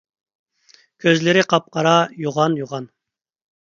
كۆزلىرى قاپقارا، يوغان - يوغان.